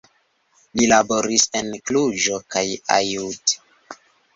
Li laboris en Kluĵo kaj Aiud.